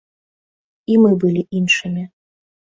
І мы былі іншымі.